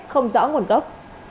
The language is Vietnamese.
không rõ nguồn gốc